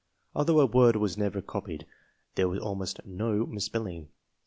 Although a word was never copied, there was almost no misspelling.